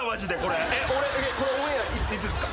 これオンエアいつっすか？